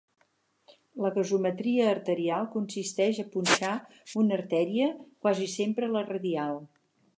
La gasometria arterial consisteix a punxar una artèria, quasi sempre la radial.